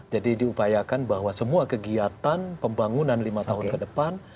jadi diupayakan bahwa semua kegiatan pembangunan lima tahun ke depan